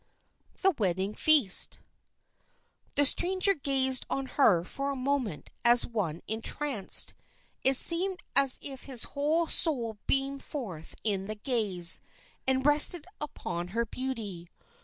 The Wedding Feast The stranger gazed on her for a moment as one entranced. It seemed as if his whole soul beamed forth in the gaze, and rested upon her beauty.